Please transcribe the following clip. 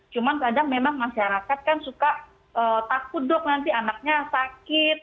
cuman kadang memang masyarakat kan suka takut dok nanti anaknya sakit